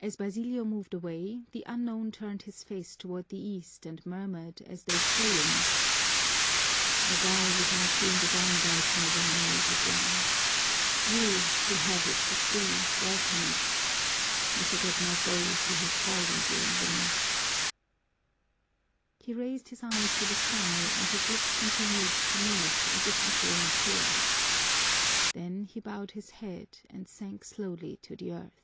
As Basilio moved away, the unknown turned his face toward the east and murmured, as though praying: "I die without seeing the dawn brighten over my native land! You, who have it to see, welcome it and forget not those who have fallen during the night!" He raised his eyes to the sky and his lips continued to move, as if uttering a prayer. Then he bowed his head and sank slowly to the earth.